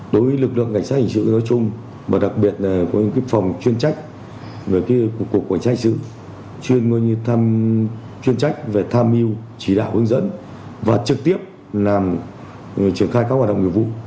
đối với lực lượng ngành sách hình sự nói chung và đặc biệt của phòng chuyên trách về cuộc quản giác hình sự chuyên trách về tham mưu chỉ đạo hướng dẫn và trực tiếp làm truyền khai các hoạt động điều vụ